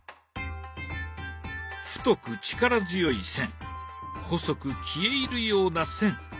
太く力強い線細く消え入るような線。